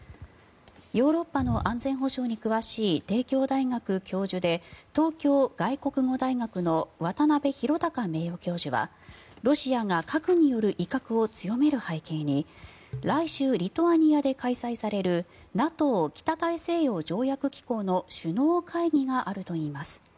ヨーロッパの安全保障に詳しい帝京大学教授で東京外国語大学の渡邊啓貴名誉教授はロシアが核による威嚇を強める背景に来週リトアニアで開催されるＮＡＴＯ・北大西洋条約機構の首脳会議があるといいます。